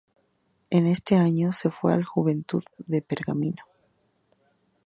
En ese año se fue al Juventud de Pergamino.